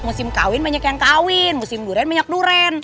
musim kawin banyak yang kawin musim duren banyak duren